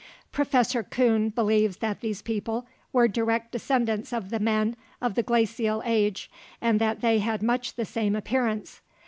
Professor Coon believes that these people were direct descendants of the men of the glacial age and that they had much the same appearance.